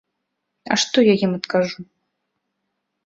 А што я ім адкажу?